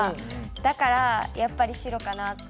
だからやっぱり白かなって。